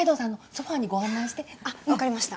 ソファーにご案内してあっ分かりました